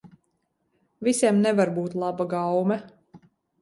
Visiem nevar būt laba gaume.